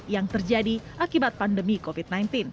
yang terjadi akibat pandemi covid sembilan belas